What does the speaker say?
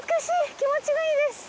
気持ちがいいです！